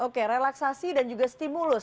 oke relaksasi dan juga stimulus